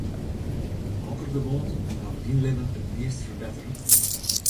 Hokker gewoanten hawwe dyn libben it meast ferbettere?